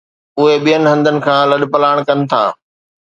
اهي ٻين هنڌن کان لڏپلاڻ ڪن ٿا